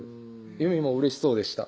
祐美もうれしそうでした